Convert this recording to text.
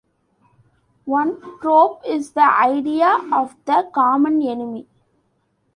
One trope is the idea of the common enemy.